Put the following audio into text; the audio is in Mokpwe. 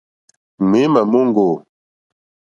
Ŋměmà móŋɡô.